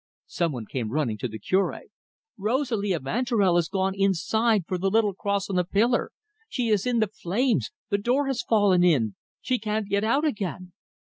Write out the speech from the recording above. Some one came running to the Cure. "Rosalie Evanturel has gone inside for the little cross on the pillar. She is in the flames; the door has fallen in. She can't get out again."